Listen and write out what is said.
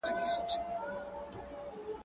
o د زنگي لالا واده دئ، غول باسي ننه باسي.